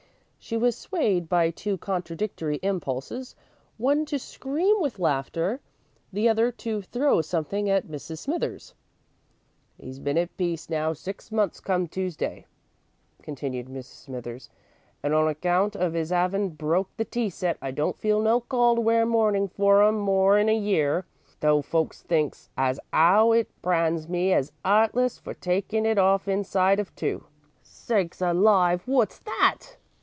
She was swayed by two contradictory impulses one to scream with laughter, the other to throw something at Mrs. Smithers. "'E's been at peace now six months come Tuesday," continued Mrs. Smithers, "and on account of 'is 'avin' broke the tea set, I don't feel no call to wear mourning for 'im more 'n a year, though folks thinks as 'ow it brands me as 'eartless for takin' it off inside of two. Sakes alive, wot's that?"